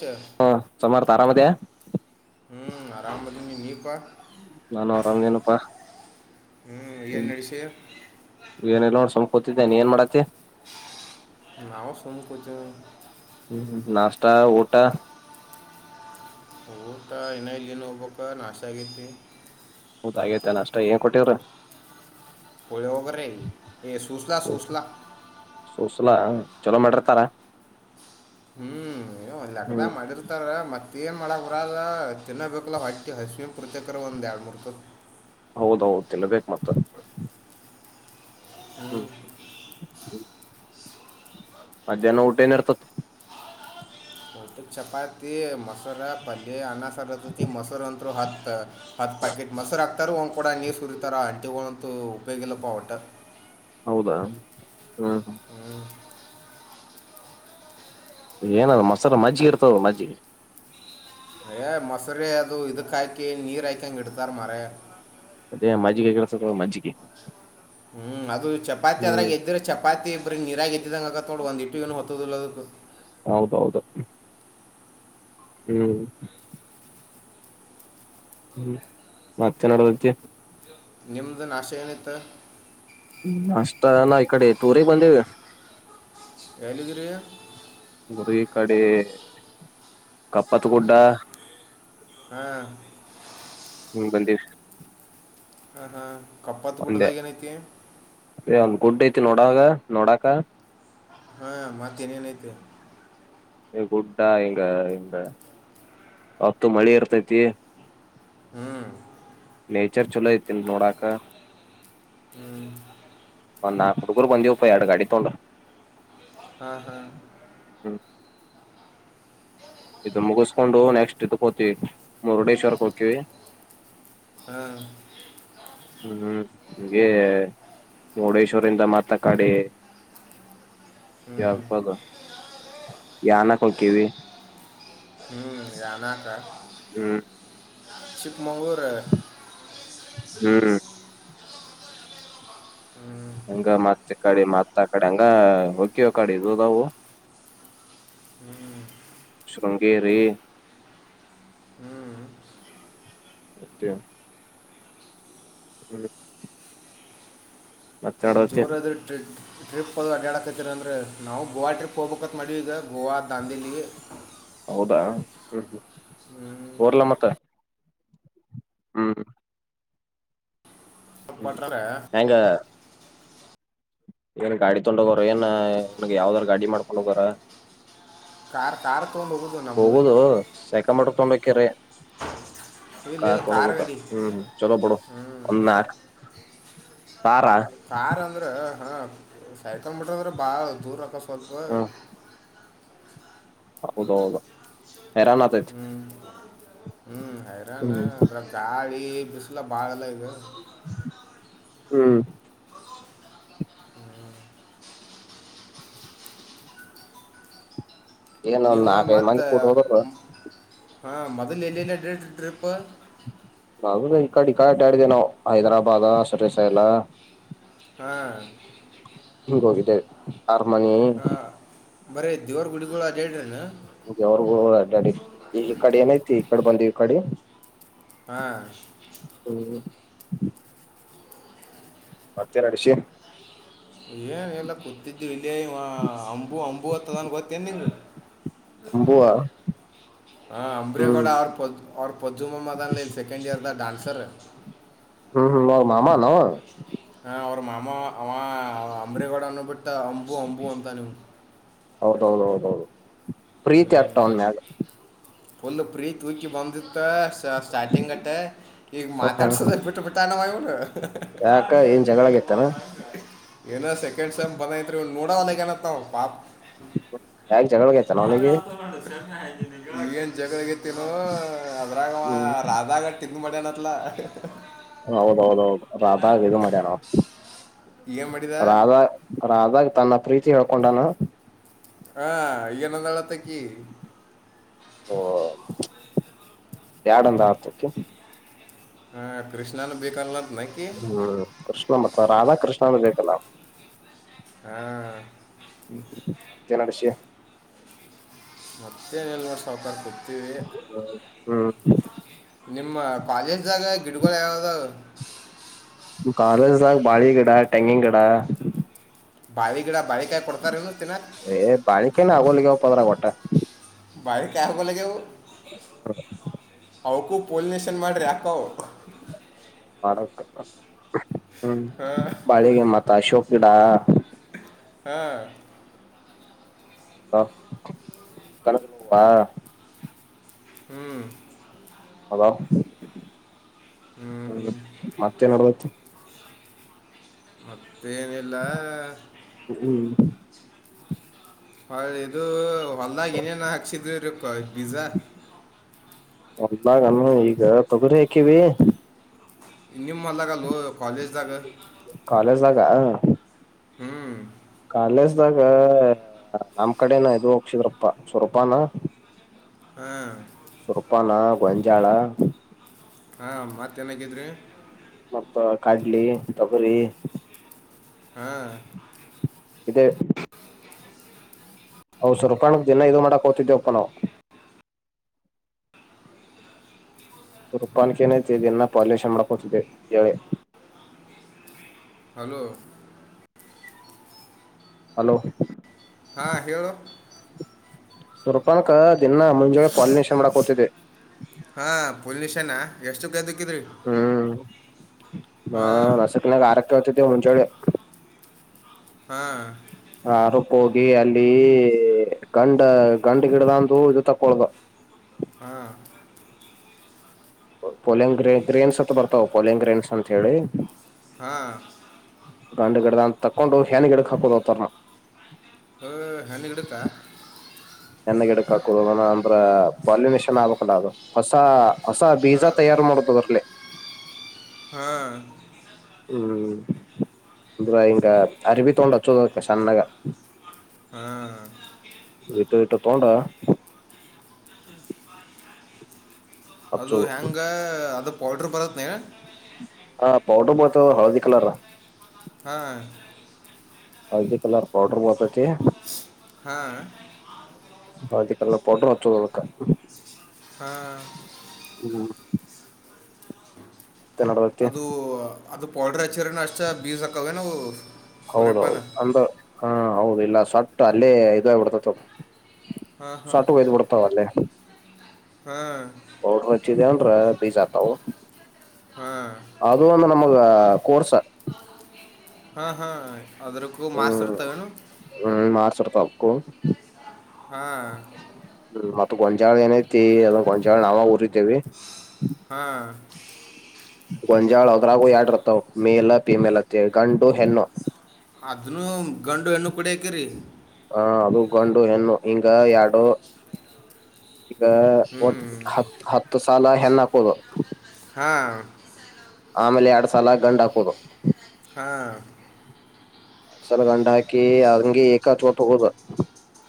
sir ಹ ಸಮಾರ ತಾರಾ ಮ ಹ್ಞ ಆರಾಮ ಬದಲ್ಲಿ ನೀವಾ ನಾನು ಅವರಾಮ ಏನಪ್ಪಾ ಹ್ಞೂ ಏನು ಹ್ಮ ನಡೆಸಿ ಏನೆಲ್ಲ ನೋ ಸಂಕೋ ೇನೆ ಏನ್ ಮಾಡತ್ತತಿ ನಾವು ಸಮಕಚ ತ ಟ ಊಟ ಇನ್ನೂ ಇಲ್ಲಿನ ಹೋಗ್ಬೇಕ ನಾಶ ಆಗೈತಿ ಹೌದ ಆೇತಾನ ಅಷ್ಟ ಏನ್ ಕೊಟ್ಟವ್ರ ಹೊಳ್ಳ ಒೋಗ ರ ಏ ಸುಸಲ ಸುಸಲ ಸೋಸಲಾ ಚಲೋ ಮಾಡಿರ್ತಾರ ಹ್ಮ್ ಏಕ್ಕದ ಹ್ಮ್ ಮಾಡಿರ್ತಾರ ಮತ್ ಏ ಮಾಡಕ್ ಬ್ರ ಅ ತಿನ್ನೋಬೇಕಲ್ಲ ಹೊಟ್ಟಿ ಹಸಮಿನ ಪೃತೇಕ್ರ ಒಂದ ಎರಡು ಮೂರ್ ತ ಹೌದೌದು ತಿಲ್ಲಬೇಕು ಮತ್ತ ಹ್ಮ್ ಹ್ಮ ಮಧ್ಯಾಹ್ನ ಊಟ ಏನ ಇರ್ತತಿ ಚಪಾತಿ ಮೊಸರಾ ಪಲ್ಯ ಅ ಮೊರು ಅಂತರು ಹ ಹತ್ ಪಾಕೆಟ್ ಮೊರ ಹಾಕ್ ರ್ ಒಂದು ಕೂಡ ನೀರು ಸುರಿತಾರೆ ಅಂಟಿ ಒಂತೂ ಉಪಯೋಗಿಲ್ಲ ಪ ಅವಟರ್ ಹೌದಾ ಹ್ಮ ಹ್ಮ್ ಏನಾದ್ರ ಮೊಸಾಲ ಮಜ್ಜಿಗೆ ಇರ್ತದ ಮಜ್ಜಿಗೆ ಯ ಮೊಸರಿ ಅದು ಇದಕ್ಕಾಕಿ ನೀರ್ ಹಾಕಂಗ ಇಡ್ತಾರ ಮಾರ ಅದೇ ಮಜ್ಜಿಗೆ ಕೆಸ ಮಜ್ಜಿಗೆ ಹ್ಮ್ ಅದು ಚಪಾತಿ ಅದ್ರಾಗ ಹ್ಮ್ ಎದ್ದ್ರೆ ಚಪಾತಿ ನಿರಾಕರಿಸತಿ ಂಗಕ್ಕ ತೋಡ ಬಂದಿ ಇಟ್ಟ ಇಏನು ಹೊತ್ತದಲ್ಲ ಹೌದೌದು ಹ್ಮ್ ಹ್ಮ್ ಅಚ್ಚನಡದಕ್ಕೆ ನಿಮ್ದ ನ ಆಶಯನತ್ತ ಅಷ್ಟ ನ ಈ ಕಡೆ ಟೂರಿಗ್ ಬಂದೇವಿ ಎಲಿಿದರ ಗರು ಈ ಕಡೆ ಕಪ್ಪತ್ಗುಡ್ಡ ಹಾ ಬಂದಿವ ಹ್ಮ ಹಾ ಕಪ್ಪತ್ತು ಗುಡದಾಗ ಏನೈತಿ ಒಂದ್ ಗುಡ್ ಐತಿ ನೋಡಾಗ ನೋಡಕ ಹಾ ಮತ್ತೇನ ಏನಐತೆ ಗುಡ್ಾ ಈಂಗ ಹಂಗ ಹತ್ತು ಮಳಿ ಇರ್ತೈತಿ ಹ್ಞೂ ನೇಚರ್ ಚಲೋ ಐತಿನ್ ನೋಡಾಕ ಹ್ಞೂ ಒ ನಾ ಹುಡುಗರು ಬಂದವಪ್ಪ ಎರಡು ಗಾಡಿ ತೊಂಡ್ರ ಹ್ಮ ಹಾ ಇದ ಮುಗಿಸ್ಕೊಂಡು ನೆಕ್ಸ್ಟ್ ಇದಕೋತವಿ ಮುರುಡೇಶ್ವರ್ಕ್ಕೆೋಕವಿಿ ಹಾಂ ಹ್ಮ್ ನಿಮಗೆ ಮುರುಡೇಶ್ವರಿಂದ ಮಾತ್ರ ಕಡಿ ಹ್ಞೂ ಯಪ್ಪದ ಯನ ಓಕೆವಿ ಹ್ಮ್ ಜಾನಕ್ಕ ಹ್ಮ್ ಚಿಕ್ಕಮಗಳೂ ಹ್ಮ್ ಹ್ಮ್ ಹಂಗ ಮತ್ತೆ ಕಡೆ ಮತ್ತ ಆ ಕಡೆ ಹಂಗ ಹೊಕ್ಯ ಕಡೆ ಇದವು ಹ್ಮ್ ಶೃಂಗೇರಿ ಹ್ಮ್ ಅತ್ಯೆ ಹ್ಮ್ ಮತ್ತ್ ನ ನಡದತಿ ಜೋರಾದ್ರ ಟ್ರೆಡ್ ಟ್ರಿಪ್ ಹೋದು ಅಡ್ಡಕತ್ತೀರ ಅಂದರೆ ನಾವು ಗೋವಾ ಟ್ರಿಪ್ ಹೋಗ್ಬೇಕತ್ ಮಾಡವಿ ಈಗ ಗೋವಾ ದಾಂದಿಲ್ಲಿ ಹೌದಾ ಹ್ಮ್, ರ್ಲ ಮತ್ತ ಹ್ಮ್ ಪಟಾರೆ ಹೆಂಗ ಏನ್ ಗಾಡಿ ತೊಡ ಹೋಗೋರ ಏನ್ಗ್ ಯಾವ್ದಾರ ಗಾಡಿ ಮಾಡ್ಕೊಂಡ ಹೋಗರ ಕಾರ್ ಕಾರ್ ತೊಗೊಂಡು ಹೋಗೋದು ನಮ್ಮ ಹೋಗದು ಸೆಕ ಮಾಡ ತೊಂಡ ಕೆರೆ ಇಲ್ಲಿ ಕಾರ್ ಇಲ್ಲಿ ತಡ ಗತ್ತ ಗಾಡಿ ಹ್ಮ್ ಹ್ಮ್ ಚಲೋ ಹ್ಞೂ ಬಡೋನ್ನ ತಾರಾ ಹಾ ಸೈಕಲ್ ಮಟ್ರದ್ರೆ ಬಾಳ ದೂರ ಅಕಸ್ ಪಪ್ಪ ಹೌದ ಹೌದಾ ಹ್ಮ್ ಹ್ಮ್ ಹೈರಾಣ ಹ್ಮ್ ಅದ್ರ ಗಾಳ ಬಿಸಿಲ ಬಾಳಲ್ಲ ಇದೆ ಹ್ಮ್ ಏನ್ ಒಂದ್ ನೀವು ನಾಕೈದ್ ಮಂದಿ ಮತ್ತು ಕೊಟ್ಟ ಹೋಗರು ಹಾಂ ಮೊದಲ ಎನನು ಡೇ ಟ್ರಿಪ್ಲ್ ನಾ ಈ ಕಡೆ ಈ ಆಟ ಆಡಿದ್ದೇವಿ ನಾವು ಹೈದರಾಬಾದ ಸರ ಸೈಲ ಹಾ ಹಂಗ ಹೋಗಿದ್ದ ಹರ್ಮನಿ ಬರೇ ದೇವ್ರ ಗುಡಿಗಳು ಅಡ್ಡಾ ಹೇಳ್ರಿನು ಅವ್ರಗೂ ಅಡಾಡಿ ಈ ಕಡೆ ಏನೈತಿ ಕಡೆ ಬಂದೀವಿ ಕಡೆ ಹ್ಮ ಹ್ಮ ಮತ್ತೇನ್ ನಡ್ಸಿ ಏನ್ ಎಲ್ಲ ಕೂತಿದ್ದವಿ ಇಲ್ಲಿಯ ಅಂಬು ಅಂಬು ಅಂತ್ತದನ್ ಗೊತ್ತೇ ಏನ್ ನಿಂಗ ಅಂಬುವ ಹ ಹ್ಮ್ ಅಂಬ್ರೇಗೌಡ ಅವ್ರ ಪ ಅವ್ರ ಪೊದ್ದುಮಾಮಾ ಅದಾನ್ಲ ಸೆಕೆಂಡ್ ಇಯರ್ ದ ಡಾನ್ಸ್ ಸರ್ ಹ್ಮ್ ಹ್ಮ್ ಅವ್ರ ಮಾಮಾ ನ ಹ ಅವ್ರ ಮಾಮ ಅವ ಅಂಬ್ರೇಗೌಡ ಅನ್ನು ಬಿಟ್ಟು ಬಿಟ್ಟ ಅಂಬು ಅಂಬು ಅಂತನೀವು ಹೌದೌ ಹೌದೌ ಪ್ರೀತಿ ಆಗ್ತವನ್ ಮ್ಯಾಲ ಪಲ್ಲುಪಿಯ ತೂಕಿ ಬಂದು ಸ್ಟಾರ್ಟಿಂಗ್ ಅತ್ತೆ ಈಗ ಹ್ಮ್ ಮಾತಾಡ್ಸುದ ಬಿಟ್ಟ ಬಿಿಟ್ಟನ ಇವರು ಯಾಕ ಏನ್ ಜಗಳಗೈತಾನ ಏನ ಸೆಕೆಂಡ್ ಸೈ್ ಬಂದೈಐತ್ರಿ ನೋಡವನಗನತ್ ನ ಪಾ ಯಾಗ್ ಜನೊಳಗತಿ ಮಾ ಶ್ರ ಏನ್ ಜಗಳಗ ಅದ್ರಾಗ ಹ್ಮ್ ರಾಗಟ್ಟ ಇ ಮ್ಯಾಾನಲ ಹೌದೌದೌದು ರಾಧಾಗ ಇದು ಮಾಡ್ಯಾರ ಏನ್ ಮಾಡಿದ ರಾಧ ರಾಧಾಗ ತನ್ನ ಪ್ರೀತಿ ಹೇಳ್ಕೊಂಡಾನ ಹಾ ನಂದಳತ್ತಕ ಎಡ ಒಂದು ಆತ್ತಕ್ಕೆ ಹಾ ಕೃಷ್ಣಾನ ಬಿಕಲ್ಲ ಹ್ಮ್ ಕೃಷ್ಣ ಮತ್ರ ರಾಧಾಕೃಷ್ಣ ಸ ಹಾ ಹ್ಮ ಮತ್ತೇನ ಅಡಶಯ ಮತ್ತೆ ಎಲ್ ನೋಡ್ ಸಹಕಾರ ಕೊ ಹ್ಮ್ ನಿಮ್ಮ ಕಾಲೇಜ್ದಾಗ ಗಿಡಗಳುಗಳು ಯಾವ್ದಾಗ ಕಾಲಜದಾಗ ಬಾಳಿ ಕಡ ಟೆಂಗಿಂಗ ಕಡ ಬಾವಗಡ ಬಾರಿ ಕಾ ಕೊಡ್ಕಾರನ್ನು ತಿನ ಕ ಹೊಲಿಗೆ ಪರ್ರ ಗಟ್ಟೆ ಬಹಿಕ ಆ ಹೋಗ ಲಗೆ ಹ್ಮ ಅವಕೂ ಪೋಲಿನಷನ್ ಮಾಡ್ರಿ ಯಾಕ ಮಾಡತಪ್ಪ ಹ್ಮ್ ಹಾ ಬಾಳಿಗೆ ಮತ ಅಶೋಕ್ ಡಾ ಹ್ಮ ಹ ಕಣಕಾ ಹ್ಮ್ ಹದ ಹ್ಮ್ ಹ ಹ್ಮ್ ಮತ್ತೇನಡ್ತಿ ಮತ್ತ ಏನಿಲ್ಲ ಹ್ಮ್ ಹೌ ಇದು ಹೊಲ್ಾಗ ಇನೇನ ಹಾಕ್ಸಿದ್ರಿ ರ ಬೀಜಾ ಅಲ್ಗ ಈಗ ತೊಗರಿ ಹಾಕವಿ ನಿಮ್ಮ ಅಲ್ಗಲ್ಲೂ ಕಾಲೇಜ್ದಾಗ ಕಾಲೇಜ್ ಆಗ ಹ್ಮ್ ಅಲ್ಲಸ್ದಾಗ ನಮ್ ಕಡೆನ ಇದು ಹೋಗಸಿದ್ರಪ್ಪ ಸ್ವರಪಾನ ಹ್ಮ್ ಸೊಪ್ಪಾನಾ ಕೊಂಜಾಳಾ ಹಾ ಮತ್ತೇನಾಗಿದ್ರಿ ಮತ್ತ ಕಾಡ್ಲಿ ತಬರಿ ಹಾ ಇದು ಹೌದಸ ರೂಪಾಯಣಕ್ ದನ ಇದು ಮಾಡಕ್ ಹೋಗ್ತಿದ್ದೇವಪ್ಪ ನಾವವು ಸುರುಪಾನಕ್ಕೆ ನತೆ ಜನ್ನ ಪಾಲಷ ಮಾಡಕತದೆ ಕೆಳ ಹಲೋ ಹಲೋ ಹಾಂ ಹೇಳು ಸವಲ್ಪಾನಕ ದಿನ ಮುಂಜಳೆ ಪಾಲಿನೇಷನ್ ಮಾಡಕ್ತಿದ್ದಿದೆ ಹಾ ಪುಲ್ ನಿಶನಾ ಎಷ್ಟು ಗ್ದ ಕಿದರೆ ಹ್ಮ್ ಹಾ ನಸಕನಾಗ ಆರಕ್ಕೆ ಹಂಚಳ [unintelligible] ಹಾ ಹ ಅರಪ ಹೋಗಿ ಅಲ್ಲಿ ಗಂಡ ಗಂಡ ಗಿಡದಂದು ಇದು ತಕ್ಕೊಳ್ದ ಹಾ ಪೋಲಂಗ್ ಗ್ರ ಗ್ರೇನ್ಸ್ ಹತ್ರ ಬರ್ತಾವ ಪೋಲಿಂಗ್ ಗ್ರೇನ್ಸ್ ಅಂತ ಹೇಳಿ ಹಾ ಗಾಂಡು ಗಿಡದ ಅಂತ ತಕೊಂಡು ಹೆೇನ್ ಗಿಡಕ್ ಹಾಕೋದತಾರನ ಹ ಹಾನಿಗ್ಡೇಕ ಹೆಣ ಗಿಡಕ್ ಹಾಕುದು ಅಂದ್ರ ಪಲ್ಮೇಷನ್ ಆಗ್ಬಕ್ಲ ಅದು ಹೊಸ ಹಸ ಬೀಜಾ ಹಾಂ ತಯಾರು ಮಾಡುದುದ ಅಧುರ್ಲಿ ಹಾ ಹ್ಮ್ ಅದವಾ ಇಂಕ ಅರಿವಿ ತಗೊಂಡು ಹಾಚದು ಸಣ್ಣಗ ಹ್ಮ್ ತಗೊಂಡು ಹ್ಮ [inaudible] ಅದು ಹೆಂಗ ಅದು ಓಡರ್ ಬರತ್ನ ಹಾ ಪೌಡರ್ ಮತ್ತು ಹಳದಿ ಕಲರ್ ಹಾ ಹಳದಿ ಕಲರ್ ಪಡರ್ ಬರ್ತದೆ ಹಾ [unintelligible] ಹಳದಿ ಕಲರ್ ಪೌಡರ್ ಹಚ್ಚುವುದಕ್ಕ ಹಾ [unintelligible] ಹ್ಮ [unintelligible] ಕನ್ನಡದಕ್ಕೆ [unintelligible] ಅದು ಅದು ಪೌಡರ್ ಚಿ ನಷ್ಟ ಬೀಜಕ್ಕೇ [unintelligible] ಹಲವು [unintelligible] ಹೌದೌ-ದು ಅಂದ ಹಾ ಹೌದ ಇಲ್ಲ ಸವಟ್ಟ ಅಲ್ಲೇ ಇದುಬಿಡ್ತತ ಹಾಂ ಸಾಟು ವದು [unintelligible] ಒಡತ ಒೆ ಹ್ಮ ೋಡ್ರಚ್ಚಿದನ್ರ ಬೀಸ್ ಆತವು [unintelligible] [unintelligible] ಹಾಂ ಅದು ಒಂದು ನಮ್ಮ ಅಕ್ಕ ಹಾ ಕೋರ್ಸ್ ಹಾ ಹಾ ಹಾ ಅದ್ರಕ್ಕೂ ಮಾರ್ಸ್ ಇರ್ತವೆನು ಅಸರ್ತಳ್ಕ್ಕೋ [unintelligible] ಹಾ ಮತ್ತ ಗೊಂಜಾಳ ಏನಐತಿ ಅದ ಗೊಂಜಾಳ ನಾವ ಊರಿದ್ದವಿ ಹಾ ಗಂಜಾಳ ಹದ್ರಾಗು ಎಡರ್ತಾವ ಮೇಲ ಪಿಮೇಲತ್ತೇ ಗಂಡು ಹೆಣ್ಣು ಅದನ್ನು ಗಂಡು ಹೆಣ್ಣು ಕುಡಿಯಕ್ರರಿ ಹ ಅದು ಗೊಂಡು ಹೆಣ್ಣ ಹಿಂಗ ಎರಡು ಈಗ ಹ್ಞೂ ಒಟ್ಟು ಹತ್ತು- ಹತ್ತು [unintelligible] ಸಾಲ ಹೆಣ ಹಾಕದು ಹಾಂ ಆಮೇಲೆ ಎರಡ್ ಸಲ ಗಂಡ್ ಹಾಕೋುದು ಹಾ ಸಲ ಗಂಡ ಹಾಕಿ ಹಂಗಗೆ ಏಕಾ ಚೋಟ್ ಹೋ [unintelligible] ಗೋುದ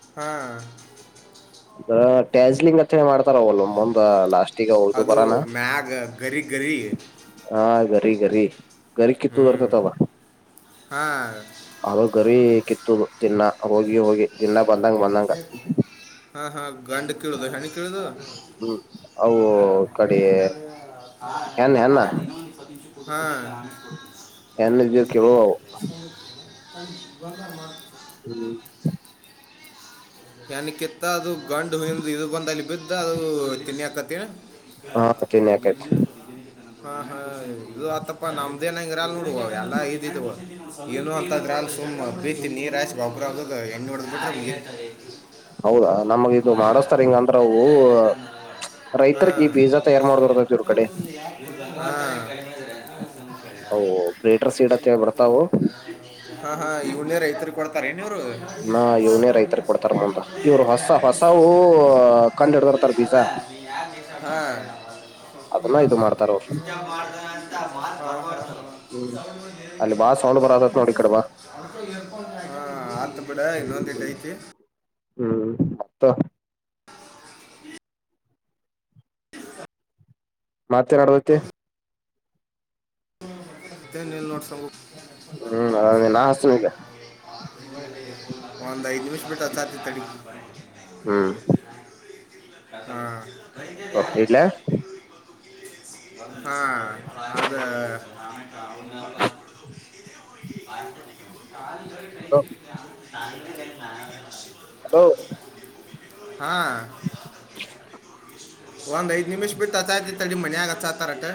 ಹ್ಮ ಅ ಟ್ಯಾಜ್ಲಿಂಗ್ ಹತ್ತನೆ ಮಾಡ್ತಾರ ಅವಲ್ಲ ಮುಂದ ಲಾಸ್ಟ್ ಅದು ಮ್ಯಾಗ ಗರಿ -ಗರಿ ಕರಿಗರಿೀ [unintelligible] ಗರಿ ಕಿತ್ತು ಹ್ಞೂ ಬರ್ತತ್ವಾ ಹಾಂ ಅ [unintelligible] ಗರಿ ಕಿತ್ತುುದು ದಿನ್ನ ಹೋಗಿ ಹೋಗಿ ದಿನ್ನ ಬಂದಂಗ ಬಂದಂಗ ಹಾ ಹಾ ಗಂಡ ಕಿಳುದು ಹೆಣ್ಣು ಕಿಳುದು ಹ್ಮ್ ಅವು ಕಡೆ ಹೆನ್ ಹೆನ್ನ ಆಯ್ತು ಇನ್ನೊ ಒಂದು ಇಪ್ಪತ್ತು ಹೆನ್ ಇದ ನಿಮ ಕೇಳುವ ಅವು ಹ್ಮ್ ಹ ಬ ಅ ಗಂದರ್ ಮಾಡ ಹ್ಮ್ ಯನ ಕಿತ್ತ ಅದು ಗಂಡು ಹಿಂದ್ ಇದು ಬಂದ ಅಲ್ಲಿ ಬಿದ್ದ ಅದು ತಿನ್ನಿಾಕತ್ತಿನ [inaudible] ಹಾ ತಿನ್ನಿ ಆಕೈತಿ ಹಾ ಹಾ ಇದು ಆತ್ತಪ್ಪಾ ನಮ್ದೇನಂಗ್ರಲ್ ನೋಡುವ ಎಲ್ಲಾ ಇದಿದವ ಏನು ಅಂತದ್ರಲ್ ಸುಮ್ ಪ್ರೀತಿ ನೀರ್ಾಿ ಬೊಬ್ರಗ ಎಣ್ಣ ಹೊಡ್ದ್ ಬಿಟ್ಟ ಹೌ ನಮಗ ಇದು ಮಾಡಸ್ತಾರ್ ಹಿಂಗ ಅಂದ್ರ ಹಾ ರೈತರ್ರಿಗೆ ಬೀಜ ತಯಾರಾರ್ ಮಾಡ್ದರ್ತತಿ ಇ್ರ ಕಡೆ ಹಾ ಹ ಗ್ರೇಟರ್ ಸೀಡ್ ಹ ಬತ್ತೆ ತಾವು ಹಾ ಹಾ ಈ ಹಳ್ಳೇ ರೈತರು ಕೊಡ್ತಾರೆ ಮೂರು ಇನ್ನ ಇವನೇ ರೈತರಿಗ್ ಕೊಡ್ತಾರ ಮುಂದ ಇವ್ರು ಹೊಸ ಹೊಸವು ಕಂಡ್ ಹಿಡ್ದಿರ್ತಾರ ಬೀಜ ಹಾ ಅದನ್ನ ಇದು ಮಾಡ್ತಾರ ಅವ್ರು ಇಜ ಮಾಡತ ಅಂತ ಮಾ ಪರಬಡ್ತ ಹ್ಮ್ ಅಲ್ಲಿ ಬಾಳ ಸೌಂಡ್ ಬರತೈತ್ ನೋಡ್ ಈ ಕಡೆ ಬಾ ಹಾ ಆತ ಬಿಡ ಇನ್ನುಂದಟ ಆಐತು ಹ್ಮ್ ಮತ್ತ ಮತ್ತೇನ್ ಆಡದಕ್ಕೆ ಎ ನೀೀಲ್ ನೋಟ್ಸ ಹ್ಮ್ ನಾ ಹಚ್ತಿನ್ ಈಗ ಒಂದ ಐದು ನಿಮಿಷ ಪಟ್ಟ ಚಾತಿ ತಡಿ ಹ್ಮ್ ಹ್ಮ ಇಲ್ಲ ಹಾ ಅದು ಅವದ ಹಲೋ ಮ ಹಲೋ ಹಾಂ ಒಂದ್ಐ್ ನಿಮಿ್ ಬಿಟ್ಟು ತತಾಯತಿತ್ತ ಅಡಿ ಮನೆ ಆಗತ್ತತಾರಟೆ